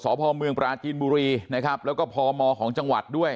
พ่อเมืองปราจีนบุรีนะครับแล้วก็พมของจังหวัดด้วย